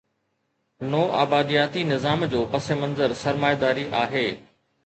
نوآبادياتي نظام جو پس منظر سرمائيداري آهي.